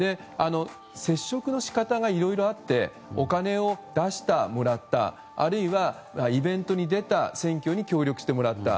接触の仕方がいろいろあってお金を出した、もらったあるいはイベントに出た選挙に協力してもらった。